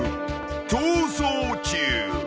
［逃走中］